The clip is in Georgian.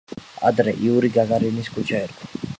ადრე იური გაგარინის ქუჩა ერქვა.